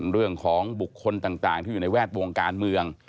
เรื่องของบุคคลต่างที่อยู่ในแวดวงการเมือง